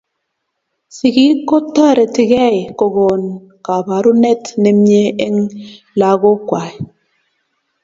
Sigiik kotoretigei kokoon kabarunet ne mie eng lagook kwai.